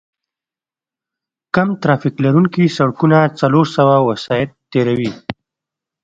کم ترافیک لرونکي سړکونه څلور سوه وسایط تېروي